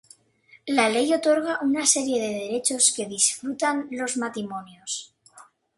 La Ley otorga una serie de derechos que disfrutan los matrimonios.